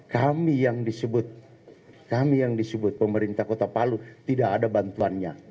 kami yang disebut kami yang disebut pemerintah kota palu tidak ada bantuannya